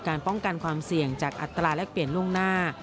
ป้องกันความเสี่ยงจากอัตราแลกเปลี่ยนล่วงหน้า